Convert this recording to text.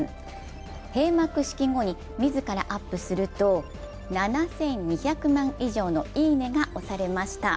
閉幕式後に自らアップすると、７２００万以上の「いいね」が押されました。